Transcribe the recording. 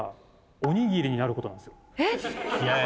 えっ？